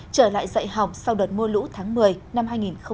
trở lại dạy học sau đợt mô lũ tháng một mươi năm hai nghìn hai mươi